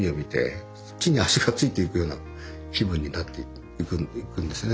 地に足がついていくような気分になっていくんですね。